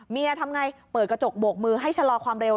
ทำไงเปิดกระจกโบกมือให้ชะลอความเร็ว